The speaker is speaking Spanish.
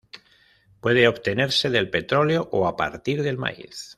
Puede obtenerse del petróleo, o a partir del maíz.